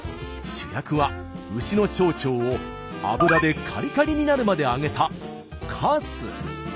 主役は牛の小腸を油でカリカリになるまで揚げた「かす」。